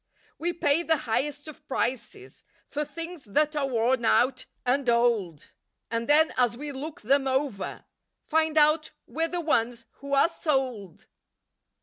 We pay the highest of prices, For things that are worn out and old, And then as we look them over, Find out we're the ones who are "sold."